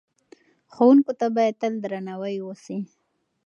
ښوونکو ته باید تل درناوی وسي.